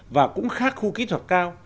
và cũng khác khu kỹ thuật cao